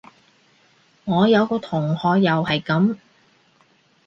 我有個同學又係噉